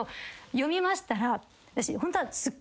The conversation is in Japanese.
読みましたら。